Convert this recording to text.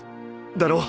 だろ？